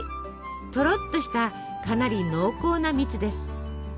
とろっとしたかなり濃厚な蜜です。